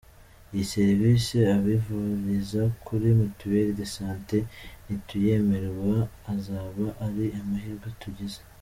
Iyi serivisi abivuriza kuri ‘Mutuelle de santé’ nituyemererwa azaba ari amahirwe tugize.